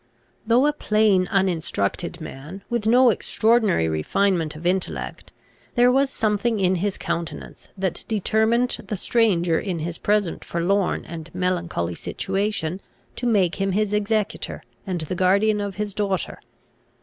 Though a plain uninstructed man, with no extraordinary refinement of intellect, there was something in his countenance that determined the stranger in his present forlorn and melancholy situation, to make him his executor, and the guardian of his daughter.